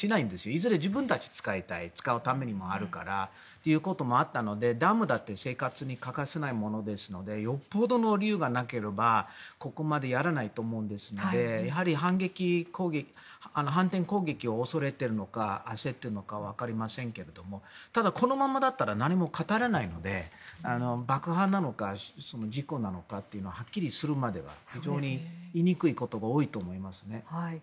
いずれ自分たちが使うためにというのもあるのでダムだって生活に欠かせないものですのでよっぽどの理由がなければここまでやらないと思いますのでやはり反転攻勢を恐れているのか焦っているのかは分かりませんけどただこのままだったら何も語れないので爆破なのか事故なのかというのがはっきりするまでは非常に言いにくいことが多いと思いますね。